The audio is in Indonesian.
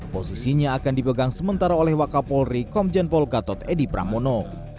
posisinya akan dipegang sementara oleh wakapolri komjen pol gatot edi pramono